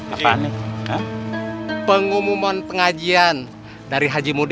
apaan pengumuman pengajian dari haji nagoi